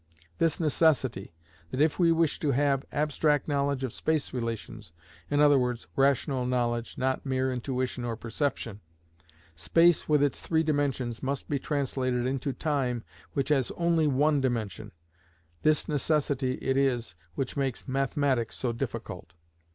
This necessity, that if we wish to have abstract knowledge of space relations (i.e., rational knowledge, not mere intuition or perception), space with its three dimensions must be translated into time which has only one dimension, this necessity it is, which makes mathematics so difficult.